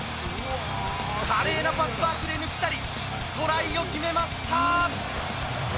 華麗なパスワークで抜き去り、トライを決めました。